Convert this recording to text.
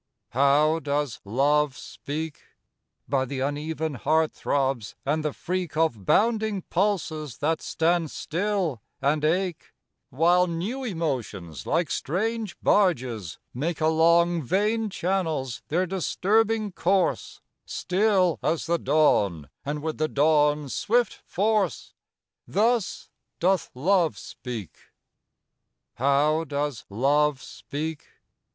How does Love speak? By the uneven heart throbs, and the freak Of bounding pulses that stand still and ache, While new emotions, like strange barges, make Along vein channels their disturbing course; Still as the dawn, and with the dawn's swift force Thus doth Love speak. How does Love speak?